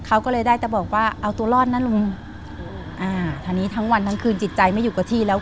เขาก็เลยได้แต่บอกว่าเอาตัวรอดนะลุงอ่าทางนี้ทั้งวันทั้งคืนจิตใจไม่อยู่กับที่แล้ว